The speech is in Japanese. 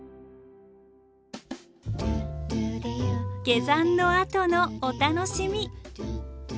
下山のあとのお楽しみ。